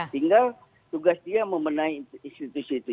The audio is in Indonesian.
tinggal tugas dia membenahi institusi itu